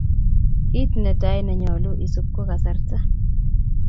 kiit netai nenyoluu isub ko kasarta